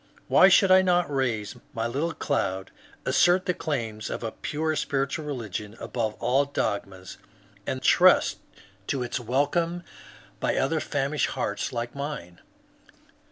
Why should I not raise my little cloud, assert the claims of a pure spiritual religion above all dogmas, and trust to its welcome NORVAL WILSON 119 by other famisbed hearts like mine?